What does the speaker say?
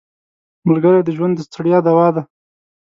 ملګری د ژوند د ستړیا دوا ده